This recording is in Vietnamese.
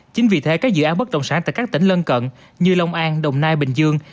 chính vì thế các dự án bất động sản tại các tỉnh lân cận như long an đồng nai bình dương